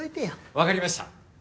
わかりました。